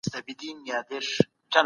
نهه نهم عدد دئ.